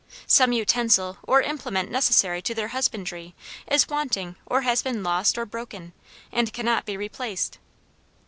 Some utensil or implement necessary to their husbandry is wanting or has been lost or broken, and cannot be replaced.